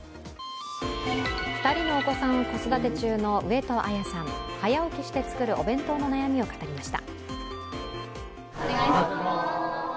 ２人のお子さんを子育て中の上戸彩さん早起きして作るお弁当の悩みを語りました。